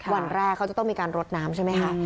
วันแรกเขาจะต้องมีการรดน้ำใช่ไหมคะ